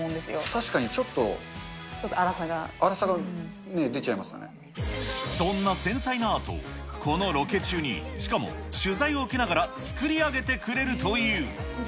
確かにちょっと、そんな繊細なアートを、このロケ中に、しかも取材を受けながら作り上げてくれるという。